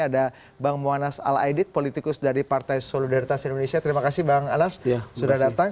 ada bang muanas ⁇ al aidid politikus dari partai solidaritas indonesia terima kasih bang anas sudah datang